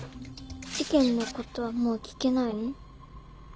事件のことはもう聞けないの？